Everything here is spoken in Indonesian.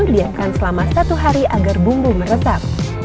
diamkan selama satu hari agar bumbu meresap